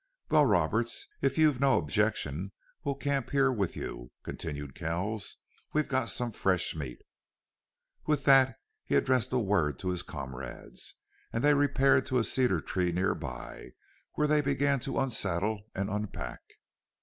"Well, Roberts, if you've no objection we'll camp here with you," continued Kells. "We've got some fresh meat." With that he addressed a word to his comrades, and they repaired to a cedar tree near by, where they began to unsaddle and unpack.